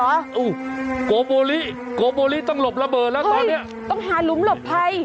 โอ้โหโกโบลิโกโบลิต้องหลบระเบิดแล้วตอนเนี้ยต้องหาหลุมหลบภัย